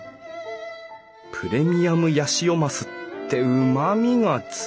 プレミアムヤシオマスってうまみが強い。